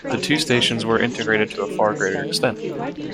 The two stations were integrated to a far greater extent.